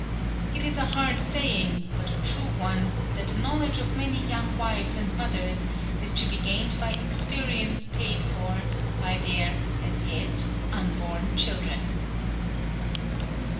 It is a hard saying, but a true one, that the knowledge of many young wives and mothers is to be gained by experience paid for by their (as yet) unborn children.